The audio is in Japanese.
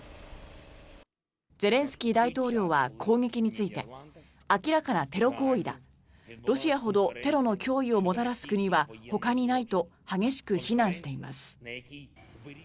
ゼレンスキー大統領は攻撃について明らかなテロ行為だロシアほどテロの脅威をもたらす国はほかにないと激しく非難しています。